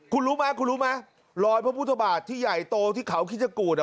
คุณรู้มั้ยคุณรู้มั้ยลอยพระพุทธบาทที่ใหญ่โตที่เขาคิดจะกูนอะ